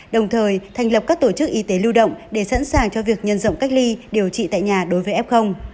đồng thời thành lập các tổ chức y tế lưu động để sẵn sàng cho việc nhân rộng cách ly điều trị tại nhà đối với f